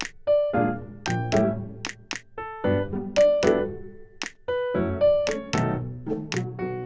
setubuh anaknya iyw doses perempuan entrepreneurs di sydney